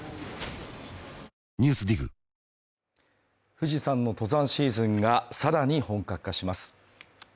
富士山の登山シーズンがさらに本格化します。